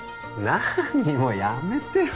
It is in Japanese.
何もうやめてよ